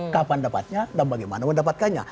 kapan dapatnya dan bagaimana mendapatkannya